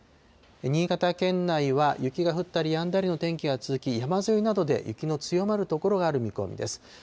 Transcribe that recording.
新潟県内は雪が降ったりやんだりの天気が続き、山沿いなどで雪の強まる所がある見込みです。